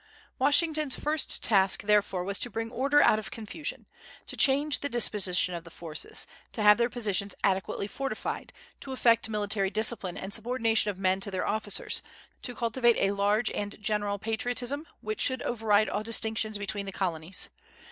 Washington's first task, therefore, was to bring order out of confusion; to change the disposition of the forces; to have their positions adequately fortified; to effect military discipline, and subordination of men to their officers; to cultivate a large and general patriotism, which should override all distinctions between the Colonies.